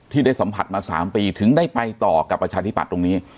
ได้สัมผัสมา๓ปีถึงได้ไปต่อกับประชาธิปัตย์ตรงนี้